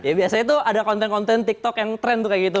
ya biasanya tuh ada konten konten tiktok yang trend tuh kayak gitu